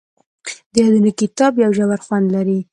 د یادونو کتاب یو ژور خوند لري.